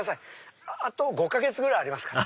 あと５か月ぐらいありますから。